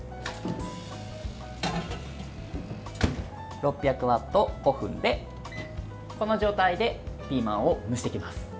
６００ワット５分で、この状態でピーマンを蒸していきます。